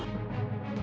các chuyên gia đồng ý